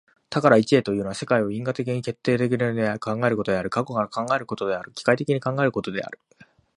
多から一へというのは、世界を因果的に決定論的に考えることである、過去から考えることである、機械的に考えることである。